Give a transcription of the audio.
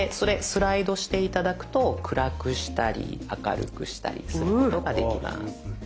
スライドして頂くと暗くしたり明るくしたりすることができます。